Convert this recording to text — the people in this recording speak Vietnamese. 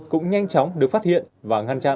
cũng nhanh chóng được phát hiện và ngăn chặn